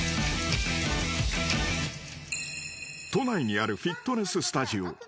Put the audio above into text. ［都内にあるフィットネススタジオ］